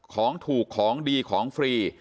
ของถูกของดีของฟรี